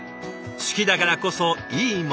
好きだからこそいいものを。